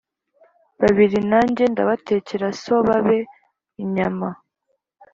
Babiri nanjye ndabatekera so babe inyama